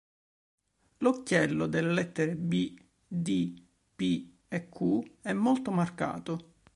L'occhiello delle lettere "b", "d", "p" e "q" è molto marcato.